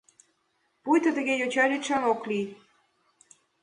Пуйто тыге йоча лӱдшан ок лий.